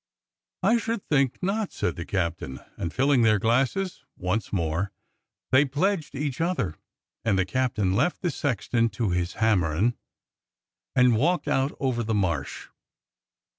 "I should think not," said the captain, and filling 188 DOCTOR SYN their glasses once more they pledged each other, and the captain left the sexton to his hammering, and walked out over the Marsh.